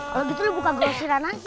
kalau gitu lu buka gausiran anci